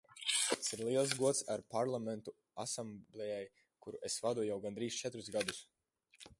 Tas ir liels gods arī Parlamentu asamblejai, kuru es vadu jau gandrīz četrus gadus.